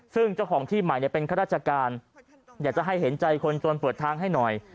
ซึ่งเจ้าของที่ใหม่เป็นข้าราชการอยากจะให้เห็นใจคนจนเปิดทางให้หน่อย